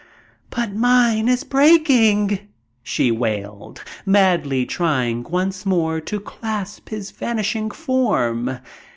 "But mine is breaking," she wailed, madly trying once more to clasp his vanishing form.